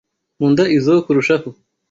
Nkunda izoi kurushaho.